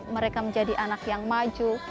mereka menjadi anak yang maju